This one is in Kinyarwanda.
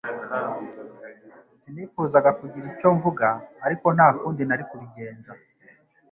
Sinifuzaga kugira icyo mvuga ariko nta kundi nari kubigenza